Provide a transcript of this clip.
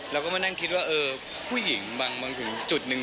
เราก็มานั่งคิดว่าเออผู้หญิงบางถึงจุดหนึ่ง